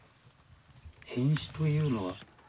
「変死」というのは。